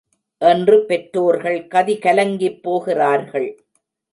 என்று பெற்றோர்கள் கதிகலங்கிப் போகிறார்கள்.